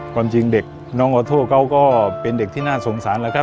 กว่าจึงเด็กน้องออโตก็เป็นเด็กที่น่าที่สงสาร